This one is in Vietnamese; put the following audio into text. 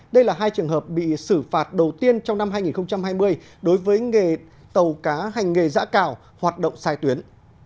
đây là hai trường hợp bị xử phạt đầu tiên trong năm hai nghìn hai mươi đối với nghề tàu cá hành nghề giã cào hoạt động sai tuyến